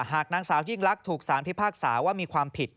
หากนางสาวยิ่งลักษณ์ถูกสารพิพากษาว่ามีความผิด